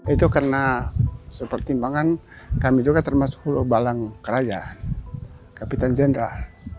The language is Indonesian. itu karena seperti imbangan kami juga termasuk kuluh balang kerajaan kapitan jenderal